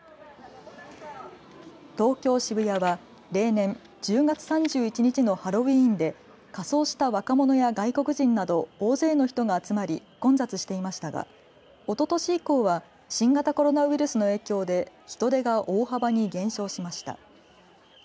東京、渋谷は例年１０月３１日のハロウィーンで仮装した若者や外国人など大勢の人が集まり混雑していましたがおととし以降は新型コロナウイルスの影響で人出が大幅に減少しました。